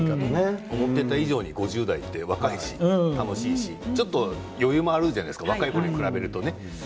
思っていた以上に５０代は若いし、楽しいし、ちょっと余裕があるじゃないですか若いころに比べると。